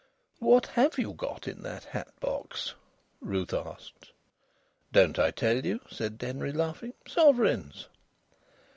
"What have you got in that hat box?" Ruth asked. "Don't I tell you?" said Denry, laughing. "Sovereigns!"